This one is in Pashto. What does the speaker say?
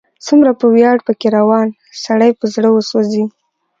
څومره په ویاړ، په کې روان، سړی په زړه وسوځي